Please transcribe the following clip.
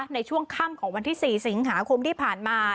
ในช่วงค่ำของวันที่๔สิงหาคมที่ผ่านมา